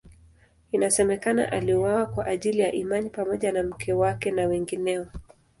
Inasemekana aliuawa kwa ajili ya imani pamoja na mke wake na wengineo.